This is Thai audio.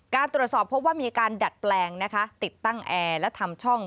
การตรวจสอบพบว่ามีการดัดแปลงนะคะติดตั้งแอร์และทำช่อง